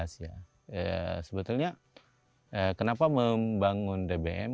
sebetulnya kenapa membangun tbm